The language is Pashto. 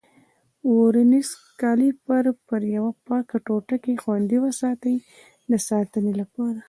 ورنیز کالیپر پر یوه پاکه ټوټه کې خوندي وساتئ د ساتنې لپاره.